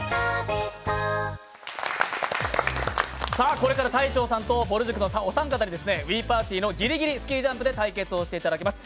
これから大昇さんとぼる塾のお三方に「ＷｉｉＰａｒｔｙ」の「ぎりぎりスキージャンプ」で対決していただきます